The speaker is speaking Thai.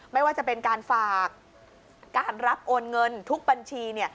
ไม่ว่าจะเป็นการฝากการรับโอนเงินทุกบัญชี